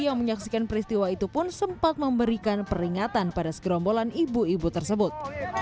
yang menyaksikan peristiwa itu pun sempat memberikan peringatan pada segerombolan ibu ibu tersebut